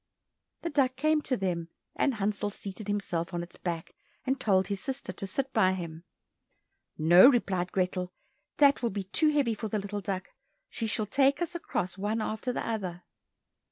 The duck came to them, and Hansel seated himself on its back, and told his sister to sit by him. "No," replied Grethel, "that will be too heavy for the little duck; she shall take us across, one after the other."